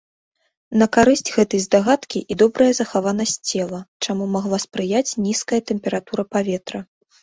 На карысць гэтай здагадкі і добрая захаванасць цела, чаму магла спрыяць нізкая тэмпература паветра.